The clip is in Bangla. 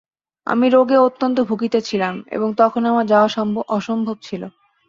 আমি রোগে অত্যন্ত ভুগিতেছিলাম, এবং তখন আমার যাওয়া অসম্ভব ছিল।